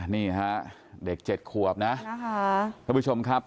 นี่ฮะเด็ก๗ขวบนะครับคุณผู้ชมครับ